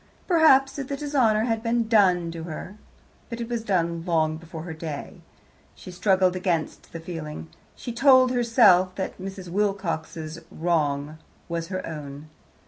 Perhaps, if the dishonour had been done to her, but it was done long before her day. She struggled against the feeling. She told herself that Mrs. Wilcox's wrong was her own.